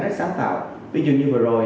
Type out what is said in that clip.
rất sáng tạo ví dụ như vừa rồi